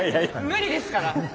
無理ですから。ね？